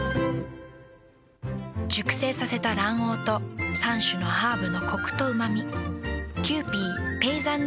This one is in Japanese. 熟成させた卵黄と３種のハーブのコクとうま味。